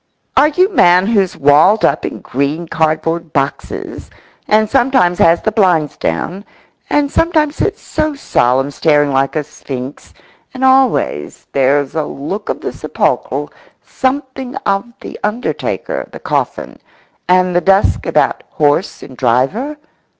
Are you man who's walled up in green cardboard boxes, and sometimes has the blinds down, and sometimes sits so solemn staring like a sphinx, and always there's a look of the sepulchral, something of the undertaker, the coffin, and the dusk about horse and driver?